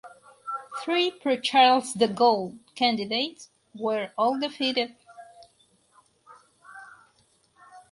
Three pro Charles de Gaulle candidates were all defeated.